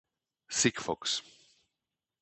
Sigfox